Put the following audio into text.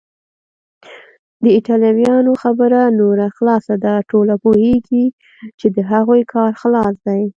د ایټالویانو خبره نوره خلاصه ده، ټوله پوهیږي چې د هغوی کار خلاص دی.